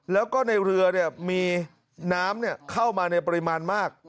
แล้วก็ในเรือเนี่ยมีน้ำเนี่ยเข้ามาในปริมาณมาก